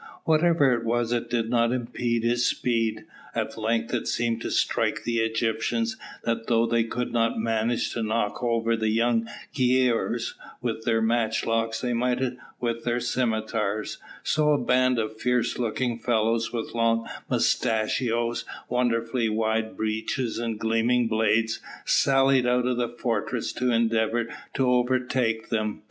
Whatever it was it did not impede his speed. At length it seemed to strike the Egyptians that though they could not manage to knock over the young giaours with their matchlocks they might with their scimitars; so a band of fierce looking fellows with long moustachios, wonderfully wide breeches, and gleaming blades, sallied out of the fortress to endeavour to overtake them.